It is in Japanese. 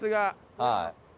はい。